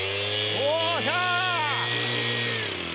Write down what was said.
おっしゃ。